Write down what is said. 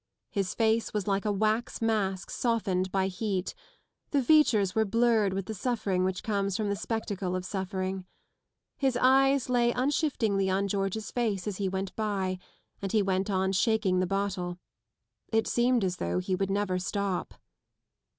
His face was like a wax mask softened by heat : the features were blurred with the suffering which comes from the spectacle of suffering. His eyes lay unshiftingly on George's face as he went by and he went on shaking the bottle. It seemed as though he would never stop.